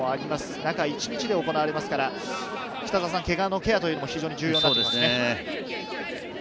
中１日で行われますから、けがのケアというのも重要になってきますね。